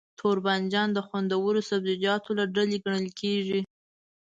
توربانجان د خوندورو سبزيجاتو له ډلې ګڼل کېږي.